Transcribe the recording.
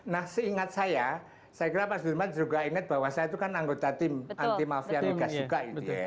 nah seingat saya saya kira pak sudirman juga ingat bahwa saya itu kan anggota tim anti mafia migas juga gitu ya